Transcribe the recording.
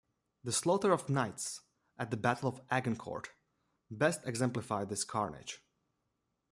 The slaughter of knights at the Battle of Agincourt best exemplified this carnage.